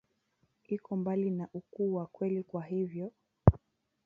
iko mbali na ukuu wa kweli Kwa hivyo